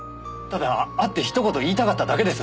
ただ会ってひと言言いたかっただけです。